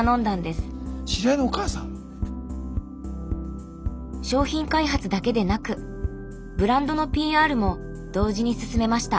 知り合いのお母さん⁉商品開発だけでなくブランドのＰＲも同時に進めました。